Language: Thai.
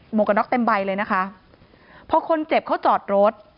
วกกระน็อกเต็มใบเลยนะคะพอคนเจ็บเขาจอดรถ